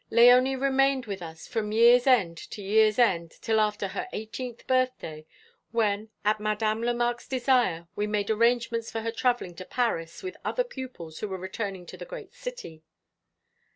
Léonie remained with us from year's end to year's end till after her eighteenth birthday, when, at Madame Lemarque's desire, we made arrangements for her travelling to Paris with other pupils who were returning to the great city."